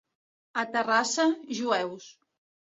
A Terrassa, jueus.